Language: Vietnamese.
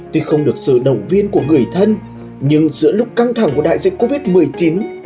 tuy không được sự đồng viên của người thân nhưng giữa lúc căng thẳng của đại dịch covid một mươi chín